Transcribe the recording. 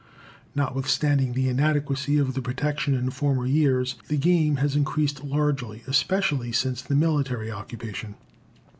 Notwithstanding the inadequacy of the protection in former years, the game has increased largely, especially since the military occupation.